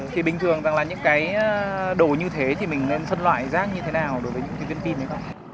thì bình thường rằng là những cái đồ như thế thì mình nên phân loại rác như thế nào đối với những cái pin ấy không